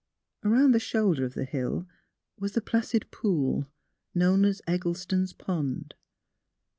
Around the shoulder of the hill was the placid pool, known as Eggleston's Pond.